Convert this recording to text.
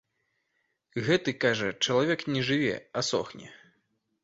Гэты, кажа, чалавек не жыве, а сохне.